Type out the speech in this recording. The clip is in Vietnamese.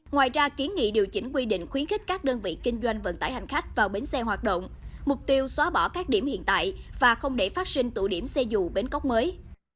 ngoài ra kiến nghị điều chỉnh quy định khuyến khích các đơn vị kinh doanh vận tải hành khách vào bến xe hoạt động mục tiêu xóa bỏ các điểm hiện tại và không để phát sinh tụ điểm xe dù bến cóc mới